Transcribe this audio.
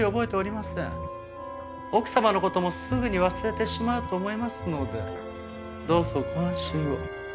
奥様の事もすぐに忘れてしまうと思いますのでどうぞご安心を。